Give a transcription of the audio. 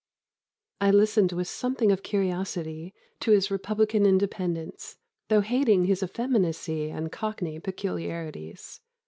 I listened with something of curiosity to his republican independence, though hating his effeminacy and cockney peculiarities.